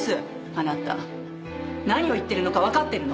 あなた何を言ってるのかわかってるの？